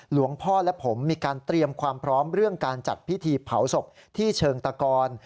หลวงพ่อและผมมีการเตรียมความพร้อมเรื่องการจัดพิธีเผาศพที่เชิงตะกร